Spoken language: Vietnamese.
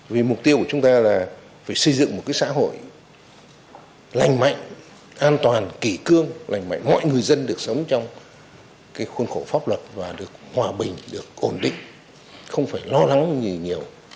vì mục tiêu của chúng ta là phải xây dựng một xã hội lành mạnh an toàn kỷ cương lành mạnh mọi người dân được sống trong khuôn khổ pháp luật và được hòa bình được ổn định không phải lo lắng gì nhiều